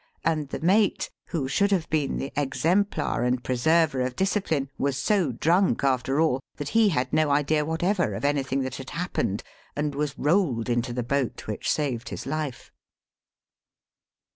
And the mate, who should have been the exemplar and piv .i rver of discipline, was so drunk all, tint lie had no idea whatever of any thing that had happened, and was rolled into the hoat which saved his life.